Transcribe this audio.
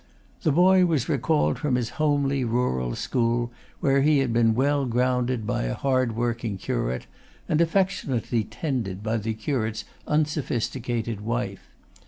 The boy was recalled from his homely, rural school, where he had been well grounded by a hard working curate, and affectionately tended by the curate's unsophisticated wife.